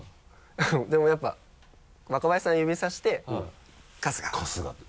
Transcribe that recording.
でもやっぱ若林さん指さして「春日」「春日」って。